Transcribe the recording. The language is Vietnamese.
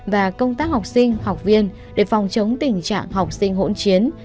và công tác học sinh học viên để phòng chống tình trạng học sinh hỗn chiến